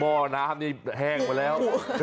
โหไอ้หม้อน้ำนี้แห้งไปแล้ว